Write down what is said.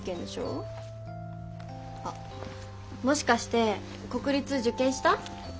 あっもしかして国立受験した？